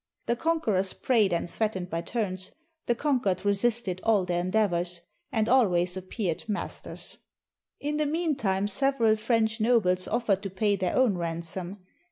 The con querors prayed and threatened by turns; the conquered resisted all their endeavors, and always appeared mas ters. In the mean time several French nobles offered to pay their own ransom.